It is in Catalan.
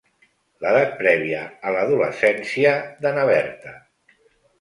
L'edat prèvia a l'adolescència de na Berta.